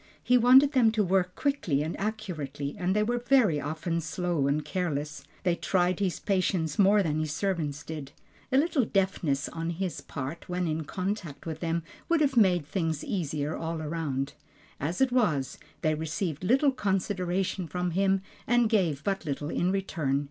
He wanted them to work quickly and accurately and they were very often slow and careless; they tried his patience more than his servants did. A little deftness on his part when in contact with them, would have made things easier all around. As it was, they received little consideration from him, and gave but little in return.